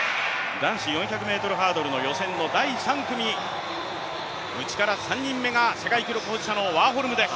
男子４００ｍハードルの予選の第３組、内から３人目が世界記録保持者のワーホルムです。